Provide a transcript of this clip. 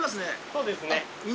そうですね。